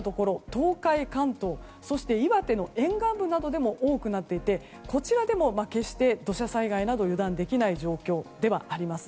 東海・関東そして岩手の沿岸部などでも多くなっていてこちらでも、決して土砂災害など油断できない状況ではあります。